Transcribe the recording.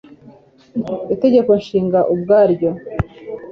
itegeko nshinga ubwaryo